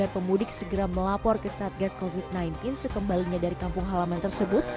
pemudik segera melapor ke satgas covid sembilan belas sekembalinya dari kampung halaman tersebut